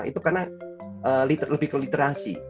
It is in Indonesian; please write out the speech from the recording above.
itu karena lebih ke literasi